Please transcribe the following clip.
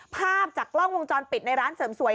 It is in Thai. ภาพจากกล้องวงจรปิดในร้านเสริมสวย